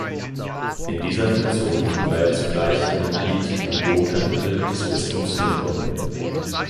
In dieser Funktion war er zugleich Mitglied im Domkapitel des Bistums Limburg.